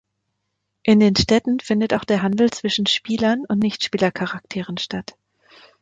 In den Städten findet auch der Handel zwischen Spielern und Nicht-Spieler-Charakteren statt.